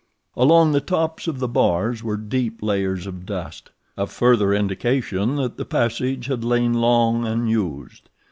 Along the tops of the bars were deep layers of dust—a further indication that the passage had lain long unused.